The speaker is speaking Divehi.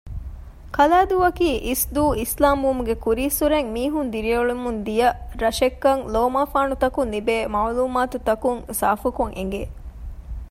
ކަލައިދޫއަކީ އިސްދޫ އިސްލާމްވުމުގެ ކުރީއްސުރެ މީހުން ދިރިއުޅެމުންދިޔަ ރަށެއްކަން ލޯމާފާނުތަކުން ލިބޭ މަޢުލޫމާތުތަކުން ސާފުކޮށް އެނގެ